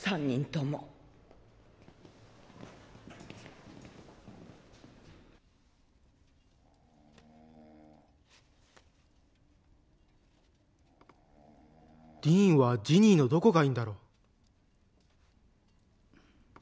３人ともディーンはジニーのどこがいいんだろう？